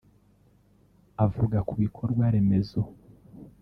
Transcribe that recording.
Avuga ku bikorwaremezo